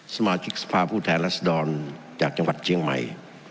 สมาชิกรัฐสภาผู้แทนลักษณฑ์จากจังหวัดเจียงใหม่